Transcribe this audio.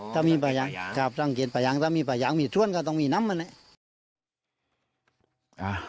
อ๋อต้องมีป่าย้างครับต้องเขียนป่าย้างต้องมีป่าย้างมีถ้วนก็ต้องมีน้ำอันนั้นแหละ